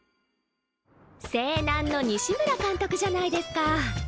勢南の西村監督じゃないですか。